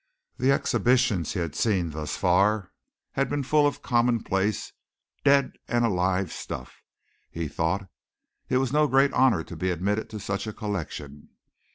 The exhibitions he had seen thus far had been full of commonplace, dead and alive stuff, he thought. It was no great honor to be admitted to such a collection.